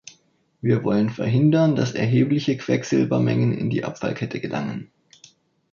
Wir wollen verhindern, dass erhebliche Quecksilbermengen in die Abfallkette gelangen.